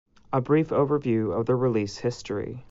A brief overview of the release history.